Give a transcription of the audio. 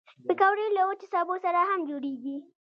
پکورې له وچو سبو سره هم جوړېږي